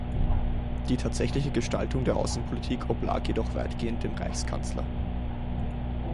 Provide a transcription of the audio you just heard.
Die tatsächliche Gestaltung der Außenpolitik oblag jedoch weitgehend dem Reichskanzler.